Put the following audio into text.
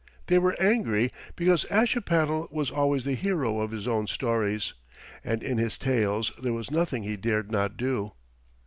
They were angry because Ashipattle was always the hero of his own stories, and in his tales there was nothing he dared not do.